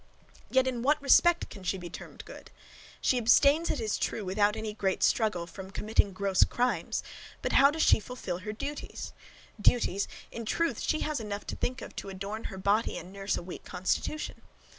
Yet in what respect can she be termed good? She abstains, it is true, without any great struggle, from committing gross crimes; but how does she fulfil her duties? Duties! in truth she has enough to think of to adorn her body and nurse a weak constitution.